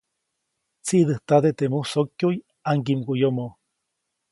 Tsiʼdäjtade teʼ musokyuʼy ʼaŋgiʼmguʼyomo.